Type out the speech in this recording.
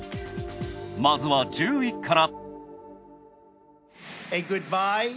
まずは１０位から。